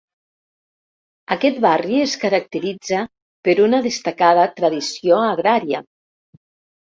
Aquest barri es caracteritza per una destacada tradició agrària.